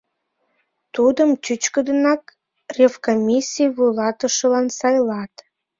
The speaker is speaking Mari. Тудым чӱчкыдынак ревкомиссий вуйлатышылан сайлат.